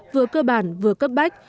vừa cơ bản vừa cấp bách